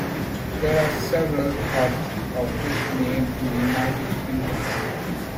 There are several pubs of this name in the United Kingdom.